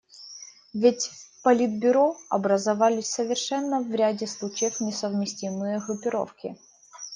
Ведь в Политбюро образовались совершенно в ряде случаев несовместимые группировки.